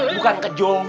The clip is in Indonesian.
bukan ke jongo